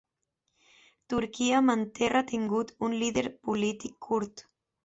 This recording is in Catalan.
Turquia manté retingut un líder polític kurd